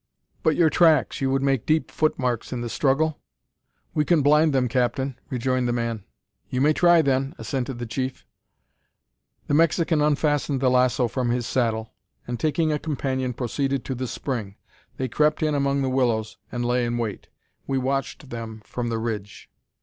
"But your tracks; you would make deep footmarks in the struggle?" "We can blind them, captain," rejoined the man. "You may try, then," assented the chief. The Mexican unfastened the lasso from his saddle, and, taking a companion, proceeded to the spring. They crept in among the willows, and lay in wait. We watched them from the ridge.